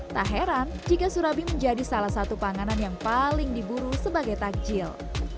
tak heran jika surabi menjadi salah satu panganan yang paling diburu sebagai takjil